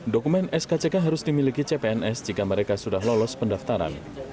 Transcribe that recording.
dokumen skck harus dimiliki cpns jika mereka sudah lolos pendaftaran